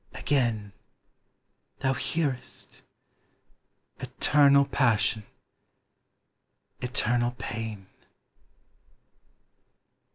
Again — thou hearest! Eternal passion! Eternal pain